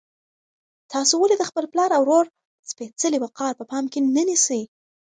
تاسو ولې د خپل پلار او ورور سپېڅلی وقار په پام کې نه نیسئ؟